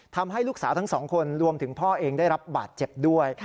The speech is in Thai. ทำให้ลูกสาวทั้งสองคนรวมถึงพ่อเองได้รับบาดเจ็บด้วย